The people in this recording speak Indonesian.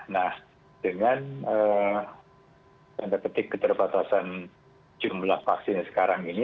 nah dengan tanda ketik keterbatasan jumlah vaksin sekarang ini